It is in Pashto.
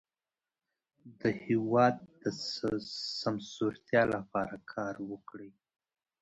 د هېواد د سمسورتیا لپاره کار وکړئ.